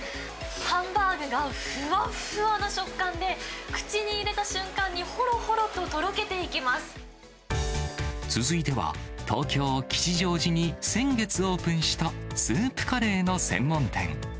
ハンバーグがふわふわの食感で、口に入れた瞬間に、続いては、東京・吉祥寺に先月オープンした、スープカレーの専門店。